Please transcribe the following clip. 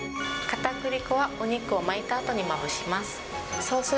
かたくり粉は、お肉を巻いたあとにまぶします。